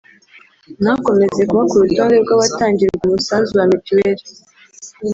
ntakomeze kuba ku rutonde rw’abatangirwa umusanzu wa mituweli”